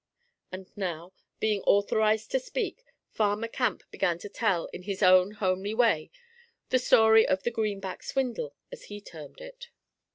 And now, being authorized to speak, Farmer Camp began to tell, in his own homely way, the story of the 'greenback swindle,' as he termed it.